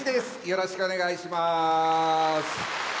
よろしくお願いします。